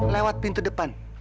lewat pintu depan